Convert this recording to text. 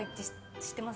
知ってます。